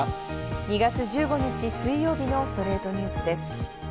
２月１５日、水曜日の『ストレイトニュース』です。